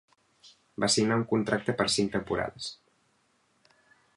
Va signar un contracte per cinc temporades.